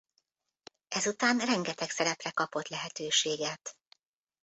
Ezután rengeteg szerepre kapott lehetőséget.